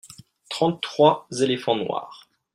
trente trois éléphants noirs.